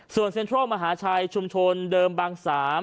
ส่วนเซ็นทรัลมหาชัยชุมชนเดิมบาง๓